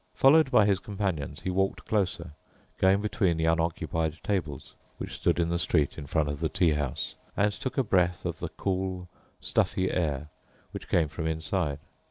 Followed by his companions, he walked closer, going between the unoccupied tables, which stood in the street in front of the tea house, and took a breath of the cool, stuffy air which came from inside.